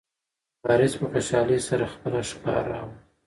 وارث په خوشحالۍ سره خپله ښکار راوړ.